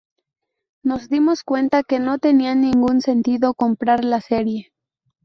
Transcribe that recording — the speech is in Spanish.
Nos dimos cuenta que no tenía ningún sentido comprar la serie.